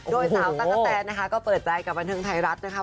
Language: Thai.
โดยสาวตั๊กกะแตนนะคะก็เปิดใจกับบันเทิงไทยรัฐนะคะ